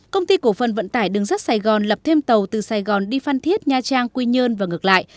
công ty cổ phần vận tải đường sắt sài gòn lập thêm tàu từ sài gòn đi phan thiết nha trang quy nhơn và ngược lại